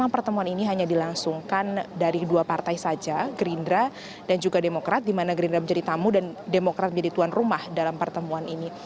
pertemuan ini hanya dilangsungkan dari dua partai saja gerindra dan juga demokrat di mana gerindra menjadi tamu dan demokrat menjadi tuan rumah dalam pertemuan ini